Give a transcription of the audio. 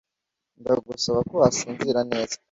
Ndagusaba ko wasinzira neza.